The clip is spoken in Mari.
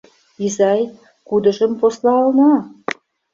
Изай, кудыжым послална?